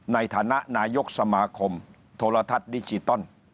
ในฐานะโนยกสมาคมโทรทัศน์ดิสชิต